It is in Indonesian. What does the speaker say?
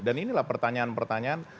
dan inilah pertanyaan pertanyaan